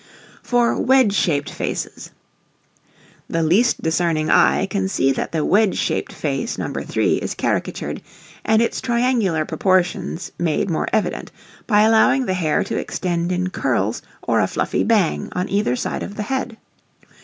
For Wedge Shaped Faces. [Illustration: NO. 3] [Illustration: NO. 4] The least discerning eye can see that the wedge Shaped face No. 3 is caricatured, and its triangular proportions made more evident, by allowing the hair to extend in curls or a fluffy bang on either side of the head.